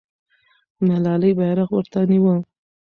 ملالۍ بیرغ ورته نیوه.